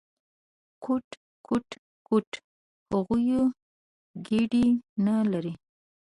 _کوټ، کوټ، کوټ… هغوی ګېډې نه لري!